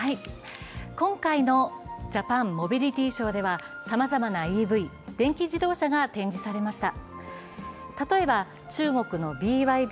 今回のジャパンモビリティショーではさまざまなＥＶ＝電気自動車が展示されました。